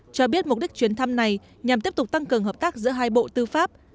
cho biết mục đích chuyến thăm này nhằm tiếp tục tăng cường hợp tác giữa hai bộ tư pháp